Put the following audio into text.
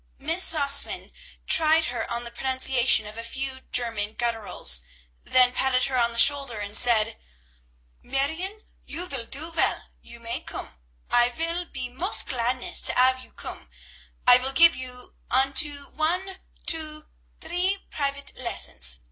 Miss Sausmann tried her on the pronunciation of a few German gutturals, then patted her on the shoulder and said, "Marrione, you vill do vell; you may koom: I vill be most gladness to 'ave you koom. I vill give unto you one, two, three private lessons.